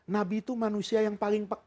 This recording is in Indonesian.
nabi itu manusia yang paling